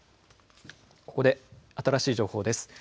ここで新しい情報です。